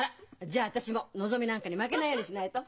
じゃあ私ものぞみなんかに負けないようにしないと。